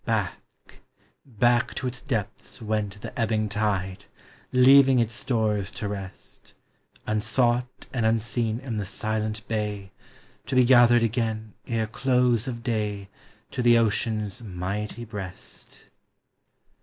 Back, back to its depths wenl the ebbing tide. Leaving its stores to rest, Unsought and unseen in the silent bay, To be gathered again, ere close of day, To the ocean's might \ breast 3SS POEMS OF XATURE.